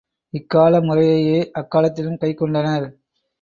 இக்கால முறையையே அக்காலத்திலும் கைக்கொண்டனர்.